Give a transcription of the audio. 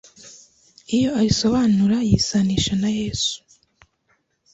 Iyo arisobanura yisanisha na ‘Yesu